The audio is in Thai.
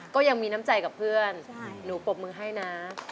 ก็ยังมีน้ำใจกับเพื่อนหนูปรบมือให้นะ